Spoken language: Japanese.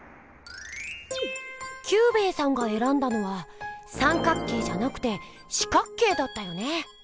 キュウベイさんがえらんだのは三角形じゃなくて四角形だったよね。